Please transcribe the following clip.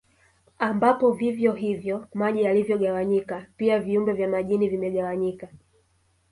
Ambapo vivyo hivyo maji yalivyogawanyika pia viumbe vya majini vimegawanyika